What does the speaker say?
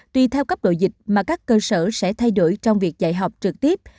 tùy theo cấp độ dịch mà các cơ sở sẽ thay đổi trong việc dạy học trực tiếp